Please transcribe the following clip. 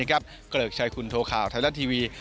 เกริกชัยคุณโทข่าวไทยรัฐทีวี